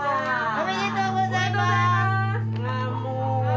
おめでとうございます！